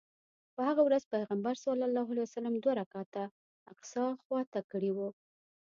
په هغه ورځ پیغمبر صلی الله علیه وسلم دوه رکعته الاقصی خواته کړی و.